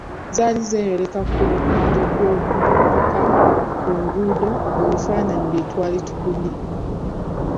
Zaali zeeyoleka ku bupande bw’oku bidduka ku nguudo mu bifaananyi bye twali tukubye.